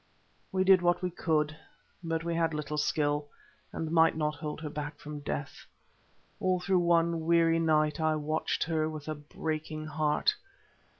We did what we could, but we had little skill, and might not hold her back from death. All through one weary night I watched her with a breaking heart.